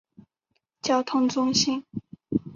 交通中心。